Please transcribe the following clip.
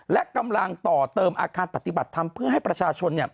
และกำลังต่อเติมอาคารปฏิบัติธรรมเพื่อให้ประชาชน